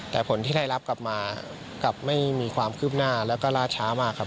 แต่ผลที่ได้รับกลับมากลับไม่มีความคืบหน้าแล้วก็ล่าช้ามากครับ